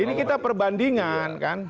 ini kita perbandingan kan